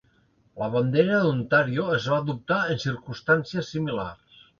La bandera d'Ontàrio es va adoptar en circumstàncies similars.